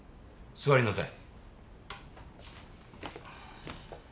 座りなさい。